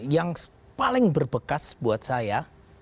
yang paling berbekas buat saya